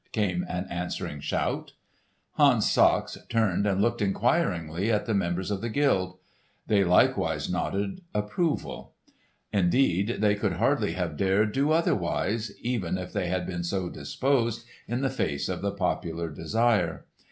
came an answering shout. Hans Sachs turned and looked inquiringly at the members of the guild. They likewise nodded approval. Indeed, they would hardly have dared do otherwise, even if they had been so disposed, in the face of the popular desire.